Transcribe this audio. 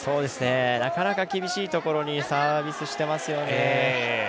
なかなか厳しいところにサービスしてますよね。